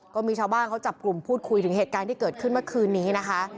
ก็มีชาวบ้านเขาจับกลุ่มพูดคุยถึงเหตุการณ์ที่เกิดขึ้นเมื่อคืนนี้นะคะ